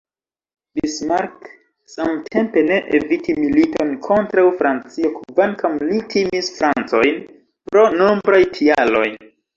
Bismarck, samtempe, ne eviti militon kontraŭ Francio, kvankam li timis Francojn pro nombraj tialoj.